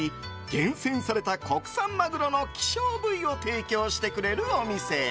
厳選された国産マグロの希少部位を提供してくれるお店。